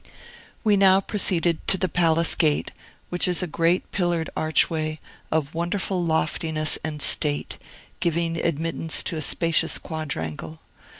We now proceeded to the palace gate, which is a great pillared archway, of wonderful loftiness and state, giving admittance into a spacious quadrangle.